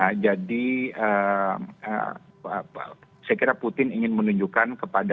nah jadi saya kira putin ingin menunjukkan kepada